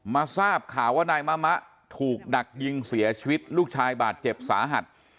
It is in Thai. ทราบข่าวว่านายมะมะถูกดักยิงเสียชีวิตลูกชายบาดเจ็บสาหัส